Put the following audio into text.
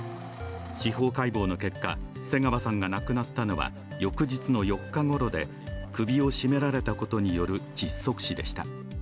司法解剖の結果、瀬川さんが亡くなったのは翌日の４日ごろで首を絞められたことによる窒息死でした。